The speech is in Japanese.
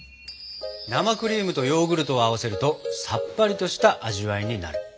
生クリームとヨーグルトを合わせるとさっぱりとした味わいになる。